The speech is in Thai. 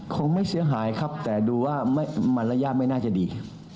คงไม่เสียหายครับแต่ดูว่ามารยาทไม่น่าจะดี